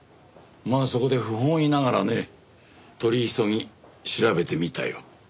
まあそこで不本意ながらね取り急ぎ調べてみたよ。